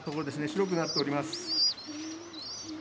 白くなっております。